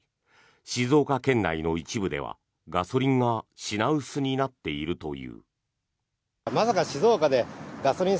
静岡県内の一部ではガソリンが品薄になっているという。